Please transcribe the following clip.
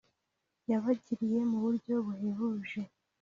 yabagiriye mu buryo buhebuje